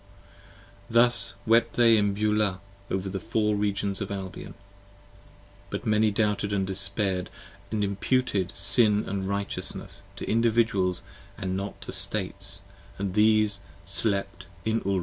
Thus wept they in Beulah over the Four Regions of Albion : 15 But many doubted & despair 'd & imputed Sin & Righteousness 1 6 To Individuals & not to States, and these Slept in Ulro.